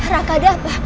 raka ada apa